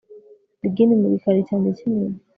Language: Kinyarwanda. Diggin mu gikari cyanjye cyinyuma